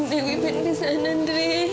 dewi benda sana dre